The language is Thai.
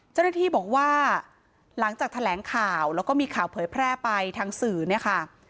เจ้าหน้าที่บอกว่าหลังจากแถลงข่าวแล้วก็มีข่าวเผยแพร่ไปทางสื่อเนี่ยค่ะ